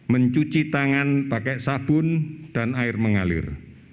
mencuci tangan pakai sabun dan air mengalir